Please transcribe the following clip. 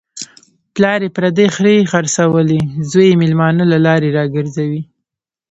پلار یې پردۍ خرې خرڅولې، زوی یې مېلمانه له لارې را گرځوي.